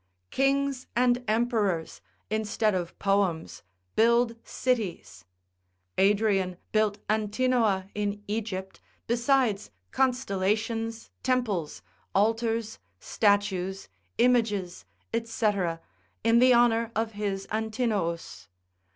Kings and emperors, instead of poems, build cities; Adrian built Antinoa in Egypt, besides constellations, temples, altars, statues, images, &c., in the honour of his Antinous.